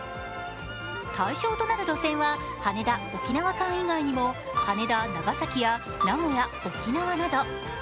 対象となる路線は羽田−沖縄間以外にも羽田−長崎や名古屋−沖縄など。